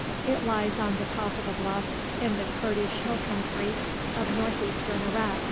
It lies on the top of a bluff in the Kurdish hill country of northeastern Iraq.